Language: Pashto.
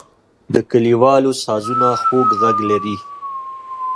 د کلیوالو سازونه خوږ غږ لري.